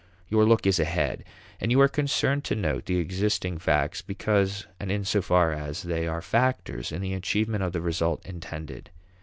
Your look is ahead, and you are concerned to note the existing facts because and in so far as they are factors in the achievement of the result intended.